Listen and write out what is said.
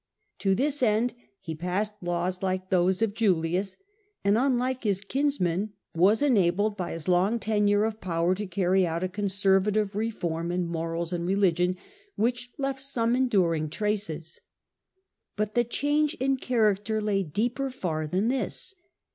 To this end he passed laws like those of Julius, and, unlike his kinsman, was enabled by his long tenure of power to carry out a conservative reform in morals and religion which left some enduring traces. But the change in character lay deeper far than this.